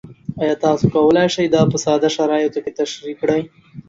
ایا تاسو کولی شئ دا په ساده شرایطو کې تشریح کړئ؟